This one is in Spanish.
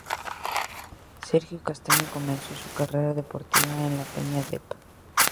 Sergio Castaño comenzó su carrera deportiva en la Peña Dep.